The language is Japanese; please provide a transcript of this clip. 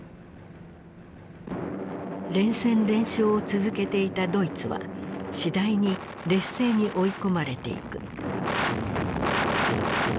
連戦連勝を続けていたドイツは次第に劣勢に追い込まれていく。